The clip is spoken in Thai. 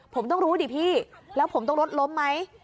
ผมต้องรู้ดิพี่แล้วผมต้องรถล้มไหม